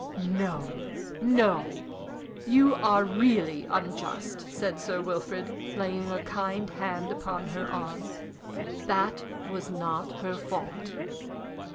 "No, no! You are really unjust," said Sir Wilfrid, laying a kind hand upon her arm. "That was not her fault."